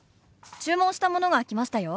注文したものが来ましたよ。